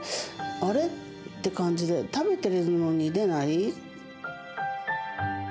あれ？って感じで食べてるのに出ない。